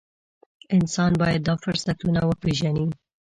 انسان باید دا فرصتونه وپېژني.